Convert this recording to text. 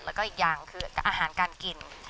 แล้วก็อีกอย่างคืออาหารการกิน